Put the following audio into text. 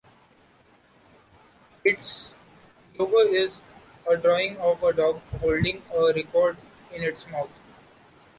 Its logo is a drawing of a dog holding a record in its mouth.